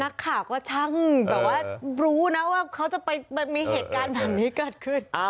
นักข่าวก็ช่างแบบว่ารู้นะว่าเขาจะไปมีเหตุการณ์แบบนี้เกิดขึ้น